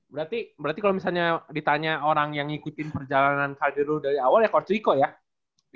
berarti kalau misalnya ditanya orang yang ngikutin perjalanan khadiru dari awal ya coach liko ya